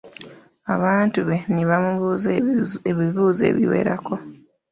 Abantu be ne bamubuuza ebibuuzo ebiwerako.